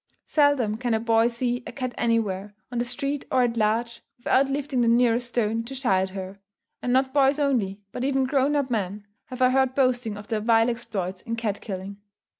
_ Seldom can a boy see a cat anywhere, on the street or at large, without lifting the nearest stone to shy at her. And not boys only, but even grown up men, have I heard boasting of their vile exploits in cat killing.